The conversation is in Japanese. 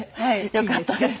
よかったです。